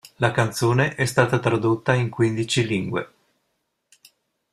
La canzone è stata tradotta in quindici lingue.